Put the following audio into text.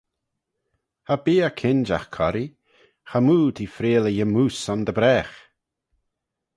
Cha bee eh kinjagh corree: chamoo t'eh freayll e yymmoose son dy bragh.